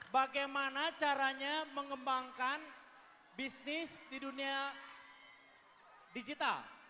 bagaimana caranya mengembangkan bisnis di dunia digital